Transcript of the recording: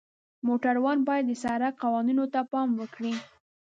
موټروان باید د سړک قوانینو ته پام وکړي.